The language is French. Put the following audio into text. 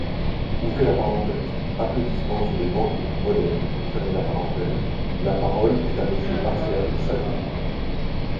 (Applaudissements sur les bancs du groupe MODEM.) La parole est à Monsieur Martial Saddier.